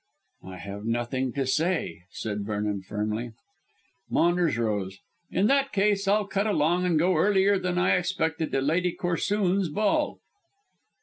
"I have nothing to say," said Vernon firmly. Maunders rose. "In that case I'll cut along and go earlier than I expected to Lady Corsoon's ball."